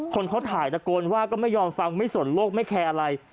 คนเขาถ่ายตะโกนว่าก็ไม่ยอมฟังไม่สนโลกไม่แคร์อะไร